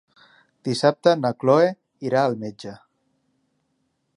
Dissabte na Cloè irà al metge.